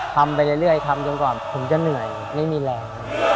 ไปเรื่อยทำจนกว่าผมจะเหนื่อยไม่มีแรง